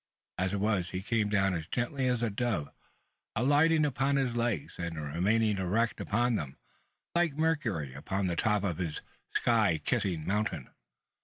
As it was, he came down as gently as a dove, alighting upon his legs, and remaining erect upon them, like Mercury upon the top of his "sky kissing mountain."